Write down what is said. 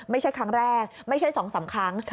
ไม่ใช่ครั้งแรกไม่ใช่๒๓ครั้ง